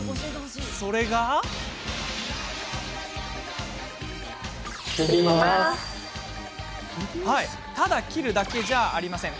それがただ切るだけじゃありません。